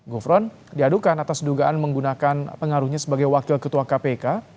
gufron diadukan atas dugaan menggunakan pengaruhnya sebagai wakil ketua kpk